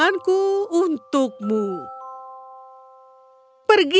kau akan mencoba untuk menjual barang barangmu